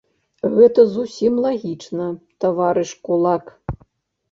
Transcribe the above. Гэта зусім лагічна, таварыш кулак!